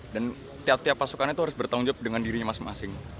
dan tiap tiap pasukan itu harus bertanggung jawab dengan dirinya masing masing